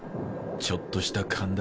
ちょっとした勘だ。